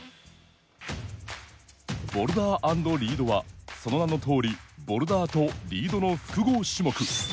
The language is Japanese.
ボルダー＆リードはその名のとおりボルダーとリードの複合種目。